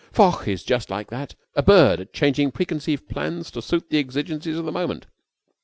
Foch is just like that, a bird at changing pre conceived plans to suit the exigencies of the moment.